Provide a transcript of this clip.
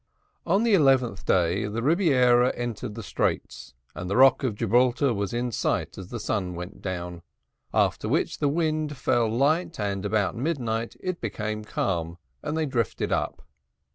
On the eleventh day the Rebiera entered the Straits, and the Rock of Gibraltar was in sight as the sun went down; after which the wind fell light, and about midnight it became calm, and they drifted up.